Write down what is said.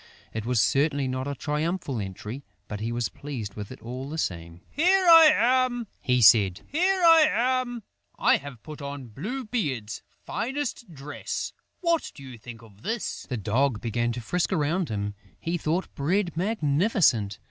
It was certainly not a triumphal entry, but he was pleased with it all the same: "Here I am!" he said. "Here I am! I have put on Blue beard's finest dress.... What do you think of this?" The Dog began to frisk around him: he thought Bread magnificent!